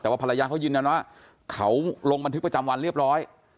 แต่ว่าภรรยาเขายืนยันว่าเขาลงบันทึกประจำวันเรียบร้อย